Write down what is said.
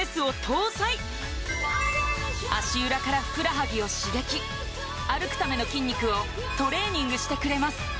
足裏からふくらはぎを刺激歩くための筋肉をトレーニングしてくれます